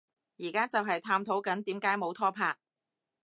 而家就係探討緊點解冇拖拍